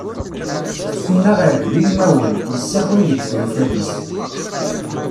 S Tfinaɣ irgel ilmawen, yessakay deg tmital-is.